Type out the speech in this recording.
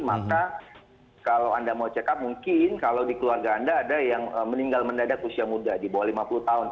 maka kalau anda mau check up mungkin kalau di keluarga anda ada yang meninggal mendadak usia muda di bawah lima puluh tahun